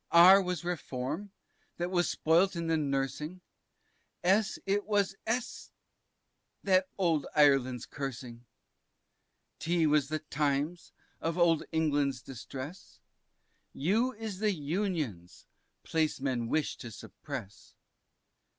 R was Reform, that was spoilt in the nursing, S it was S y, that old Ireland's cursing. T was the Times of Old England's distress. U is the Unions Placemen wish to suppress.